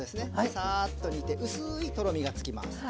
サーッと煮て薄いとろみがつきます。